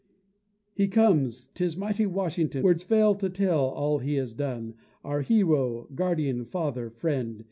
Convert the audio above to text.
He comes! 'tis mighty Washington (Words fail to tell all he has done), Our hero, guardian, father, friend!